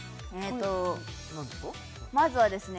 まずはですね